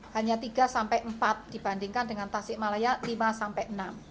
hanya tiga sampai empat dibandingkan dengan tasik malaya lima sampai enam